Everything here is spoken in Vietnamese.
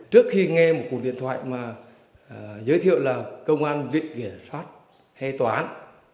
trước khi nghe một cuộc điện thoại mà giới thiệu là công an viện kiểm soát hay tòa án